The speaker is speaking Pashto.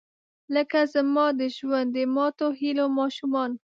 لکه زما د ژوند، د ماتوهیلو ماشومان